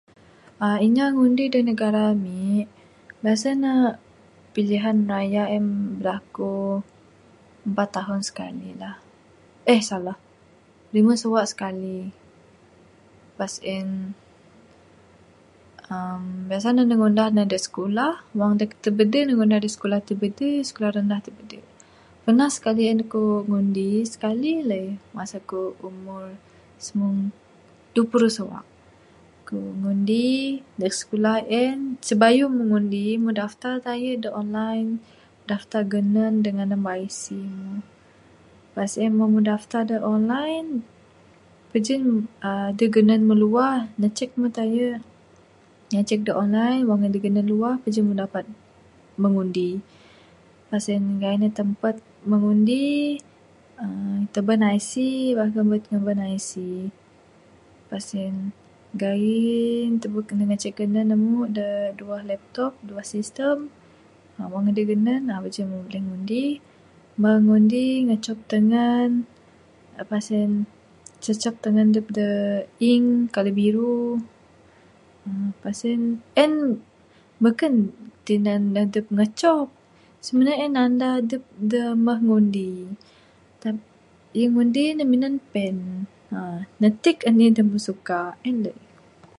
uhh inya ngundi da negara ami sien ne pilihan raya en berlaku empat tahun sekali lah eh salah rimeh sawa sekali pas en uhh biasa ne ngundah ne da sikulah, wang de tebedu ne ngundah da sikulah tebedu, sikulah rendah tebedu. Pernah sekali en ku ngundi, sekali alai ku, masa ku umur ku simuhung duweh puru sawa. Ku ngundi da sikulah en. Sebayuh ami ngundi, ami daftar taye da online daftar da ganan dangan nombor ic pas en meh mu daftar da online pajin adeh ganan mu luah. Ngicek ne taye, ngicek da online wang adeh ganan luah, pajin mu dapat ngundi pas en nganai tempat mengundi uhh taban IC aba kambet ngaban IC pas en gain tubek ne ngicek ganan amu da duweh laptop duweh sistem. Wang adeh ganan pajin mu buleh ngundi. Meh ngundi ngecop tangan, pas en cucob tangan adep de ink colour biru pas en beken tinan adep ngecop. Simene ne en nanda adep meh ngundi. Ngundi ne minan pen uhh netik anih da amu suka en da